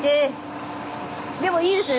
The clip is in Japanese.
でもいいですね。